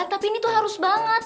tapi ini tuh harus banget